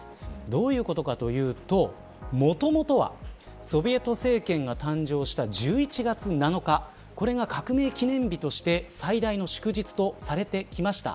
どういうことかというともともとは、ソビエト政権が誕生した１１月７日これが革命記念日として最大の祝日とされてきました。